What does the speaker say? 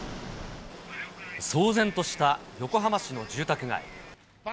騒然とした横浜市の住宅街。